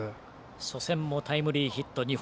初戦もタイムリーヒット２本。